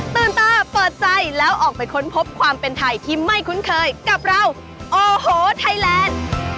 ตาเปิดใจแล้วออกไปค้นพบความเป็นไทยที่ไม่คุ้นเคยกับเราโอ้โหไทยแลนด์